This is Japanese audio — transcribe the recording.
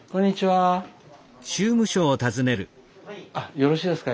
よろしいですか？